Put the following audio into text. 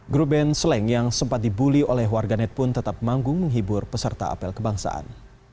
grup band sleng yang sempat dibully oleh warganet pun tetap manggung menghibur peserta apel kebangsaan